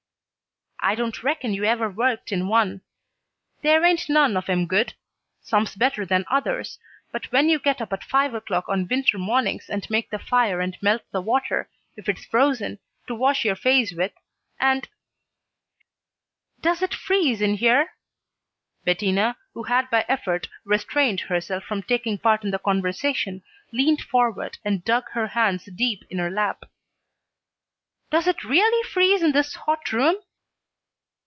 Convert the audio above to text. "I don't reckon you ever worked in one. There ain't none of 'em good. Some's better than others, but when you get up at five o'clock on winter mornings and make the fire and melt the water, if it's frozen, to wash your face with, and " "Does it freeze in here?" Bettina, who had by effort restrained herself from taking part in the conversation, leaned forward and dug her hands deep in her lap. "Does it really freeze in this hot room?"